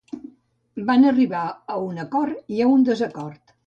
Van arribar a un acord i a un desacord.